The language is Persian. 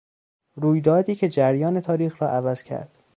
رویدادی که جریان تاریخ را عوض کرد